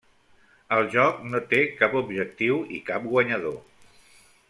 El joc no té cap objectiu, i cap guanyador.